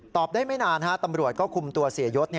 ได้ไม่นานตำรวจก็คุมตัวเสียยศ